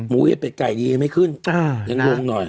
อย่าเป็ดไก่ดียังไม่ขึ้นยังลงหน่อย